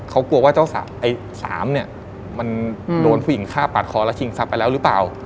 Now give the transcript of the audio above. เขากลัวว่าเจ้าไอ้สามเนี่ยมันโดนผู้หญิงฆ่าปาดคอแล้วชิงทรัพย์ไปแล้วหรือเปล่า